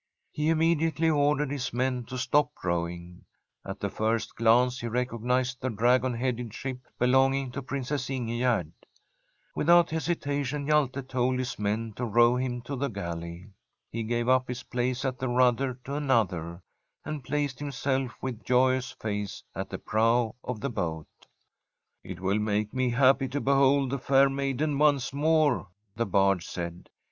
He immediately ordered his men to stop rowing. At the first glance he recognised the dragon headed ship belonginp^ to Princess Ingegerd. Without hesitation Hjalte told his men to row him to the galley. He gave up his place at the rudder to another, and placed himself with joyous face at the prow of the boat ' It will make me happy to behold the bur maiden once more/ the Bard said.